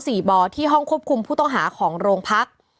สี่บ่อที่ห้องควบคุมผู้ต้องหาของโรงพัก